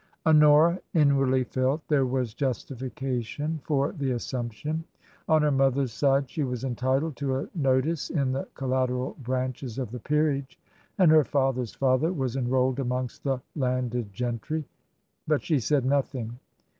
Honora inwardly felt there was justification for the assumption. On her mother's side she was entitled to a notice in the collateral branches of the peerage, and her father's father was enrolled amongst the " Landed Gen try." But she said nothing.